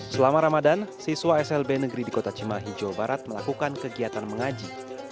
selama ramadan siswa slb negeri di kota cimahi jawa barat melakukan kegiatan mengaji